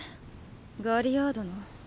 ガリアードの？